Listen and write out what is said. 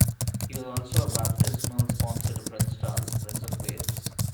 He was also a baptismal sponsor to Prince Charles, Prince of Wales.